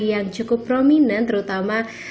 yang cukup prominent terutama